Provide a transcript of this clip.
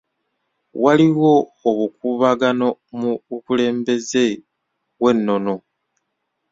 Waliwo obukuubagano mu bukulembeze bw'ennono.